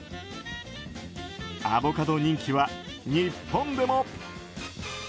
アボカド人気は日本でも。